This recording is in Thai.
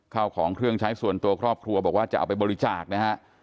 ข้าวของเครื่องใช้ส่วนตัวครอบครัวครอบครัวบอกว่าจะเอาไปบริจาคนะฮะ